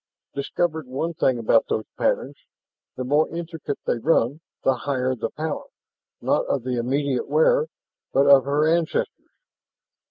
Discovered one thing about those patterns the more intricate they run, the higher the 'power,' not of the immediate wearer, but of her ancestors.